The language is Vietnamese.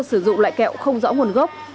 sử dụng loại kẹo không rõ nguồn gốc